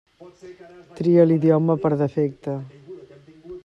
Tria l'idioma per defecte.